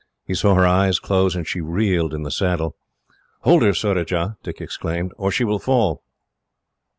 He saw her eyes close, and she reeled in the saddle. "Hold her, Surajah," Dick exclaimed, "or she will fall."